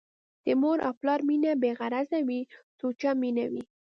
د مور او پلار مينه بې غرضه وي ، سوچه مينه وي